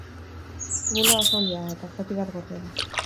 Tumulua oso handia da, eta zati bat gorde da.